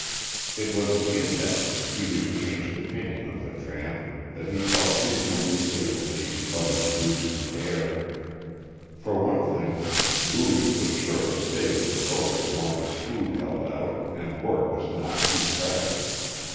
It was an index to Peter's changed opinion of the tramp that he felt reasonably safe in leaving Buddy in Booge's care. For one thing Booge was sure to stay with the boat as long as food held out and work was not too pressing.